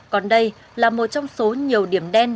còn đây là một trong số nhiều điểm đen